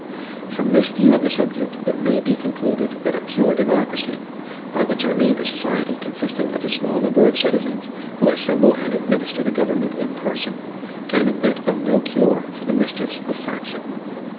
From this view of the subject it may be concluded that a pure democracy, by which I mean a society consisting of a small number of citizens, who assemble and administer the government in person, can admit of no cure for the mischiefs of faction.